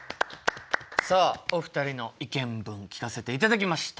さあお二人の意見文聞かせていただきました。